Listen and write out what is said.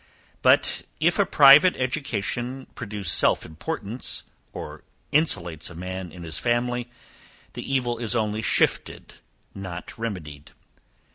But, if a private education produce self importance, or insulates a man in his family, the evil is only shifted, not remedied.